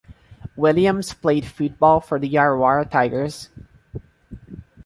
Williams played football for the Yarrawarrah Tigers.